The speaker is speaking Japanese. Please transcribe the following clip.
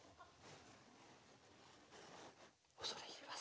恐れ入ります。